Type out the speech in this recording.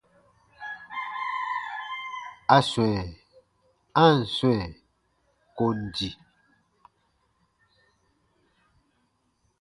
A swɛ̃, a ǹ swɛ̃ kon di.